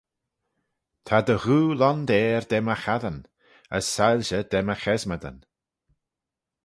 Ta dty ghoo londeyr da my chassyn: as soilshey da my chesmadyn.